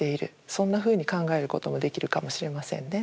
そんなふうに考えることもできるかもしれませんね。